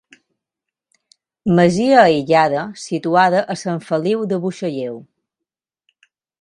Masia aïllada, situada a Sant Feliu de Buixalleu.